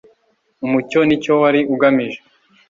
Umucyo nicyo wari ugamije